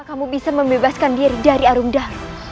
apa kamu bisa membebaskan diri dari arumdar